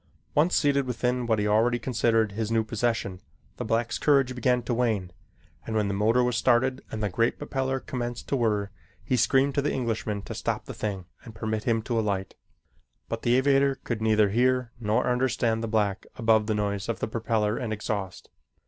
Once seated within what he already considered his new possession, the black's courage began to wane and when the motor was started and the great propeller commenced to whir, he screamed to the Englishman to stop the thing and permit him to alight, but the aviator could neither hear nor understand the black above the noise of the propeller and exhaust.